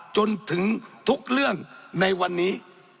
จนถึงทุกเรื่องในวันนี้